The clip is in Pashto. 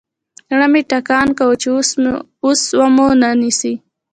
زړه مې ټکان کاوه چې اوس ومو نه نيسي.